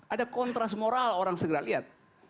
ada kontras moral orang segera lihat